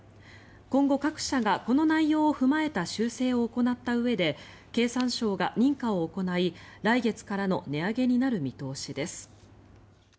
今後、各社がこの内容を踏まえた修正を行ったうえで経産省が認可を行い来月からの値上げになる見通しです。